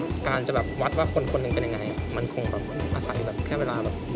ในการจะวัดว่าคนเป็นคนเป็นไงมันคงอาศัยอยู่แค่เวลาวันซักวัน